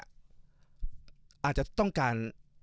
อาจจะต้องการ